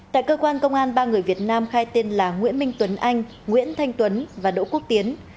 tại cơ quan công an ba người việt nam khai tên là nguyễn minh tuấn anh nguyễn thanh tuấn và đỗ quốc tiến